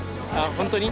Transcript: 本当に？